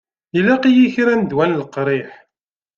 Ilaq-iyi kra n ddwa n leqriḥ.